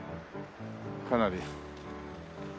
かなり。